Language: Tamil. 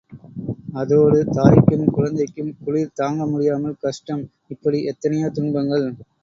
அதோடு தாய்க்கும் குழந்தைக்கும் குளிர் தாங்கமுடியாமல் கஷ்டம், இப்படி எத்தனையோ துன்பங்கள்.